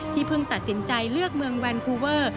เพิ่งตัดสินใจเลือกเมืองแวนคูเวอร์